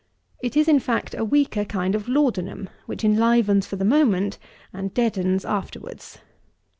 It is, in fact, a weaker kind of laudanum, which enlivens for the moment and deadens afterwards.